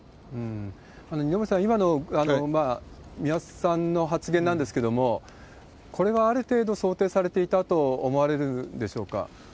二宮さん、今の三輪さんの発言なんですけども、これはある程度想定されていたと思われるんでしょうか？